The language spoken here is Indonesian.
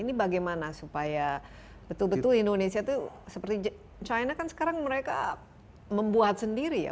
ini bagaimana supaya betul betul indonesia itu seperti china kan sekarang mereka membuat sendiri ya